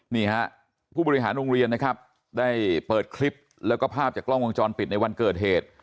นี่ฮะผู้บริหารโรงเรียนนะครับได้เปิดคลิปแล้วก็ภาพจากกล้องวงจรปิดในวันเกิดเหตุ